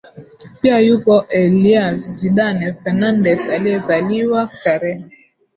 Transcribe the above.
Pia yupo Elyaz Zidane Fernandez aliyezaliwa tarehe